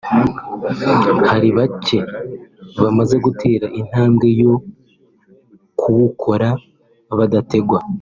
hari bake bamaze gutera intambwe yo kuwukora badategwa